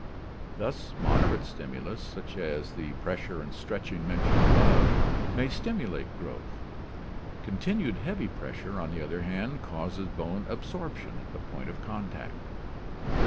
Thus moderate stimulus, such as the pressure and stretching mentioned above, may stimulate growth. Continued heavy pressure, on the other hand, causes bone absorption at the point of contact.